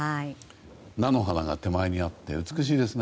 菜の花が手前にあって美しいですね。